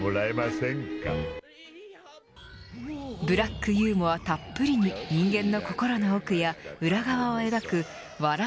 ブラックユーモアたっぷりに人間の心の奥や裏側を描く笑